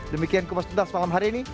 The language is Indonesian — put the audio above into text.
demikian kupas tuntas malam hari ini